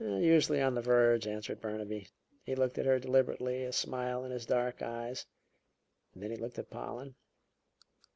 "Usually on the verge," answered Burnaby. He looked at her deliberately, a smile in his dark eyes; then he looked at Pollen.